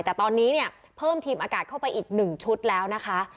แต่ตอนนี้เนี่ยเพิ่มทีมอากาศเข้าไปอีก๑ชุดแล้วนะคะ